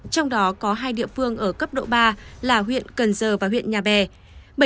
trong đó có hai địa phương ở cấp độ ba là huyện cần giờ và huyện nhà bè